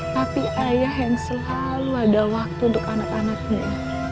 papi ayah yang selalu ada waktu untuk anak anaknya